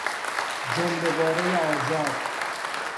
جمله واره آزاد